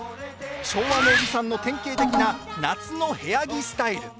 昭和のおじさんの典型的な夏の部屋着スタイル。